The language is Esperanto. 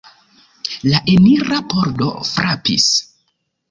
La enira pordo frapis.